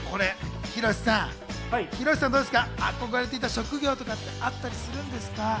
博さん、憧れていた職業とかってあったりするんですか？